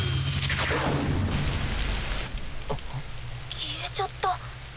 消えちゃった。